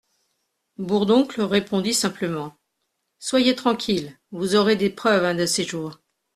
Bourdoncle répondit simplement : Soyez tranquille, vous aurez des preuves un de ces jours.